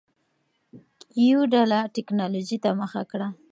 کیو ډله ټکنالوجۍ ته مخه کړه.